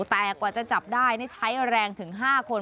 แต่กว่าจะจับได้ใช้แรงถึง๕คน